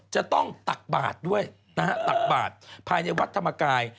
ตักบาทด้วยนะฮะตักบาทภายในวัดธรรมกาย